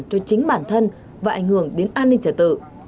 cho chính bản thân và ảnh hưởng đến an ninh trả tự